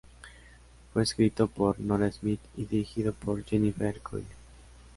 Fue escrito por Nora Smith y dirigido por Jennifer Coyle.